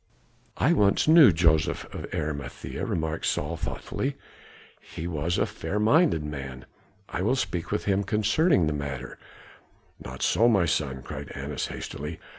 "I once knew Joseph of Arimathæa," remarked Saul thoughtfully; "he was a fair minded man, I will speak with him concerning the matter " "Not so, my son!" cried Annas hastily.